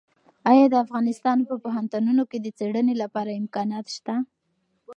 ایا د افغانستان په پوهنتونونو کې د څېړنې لپاره امکانات شته؟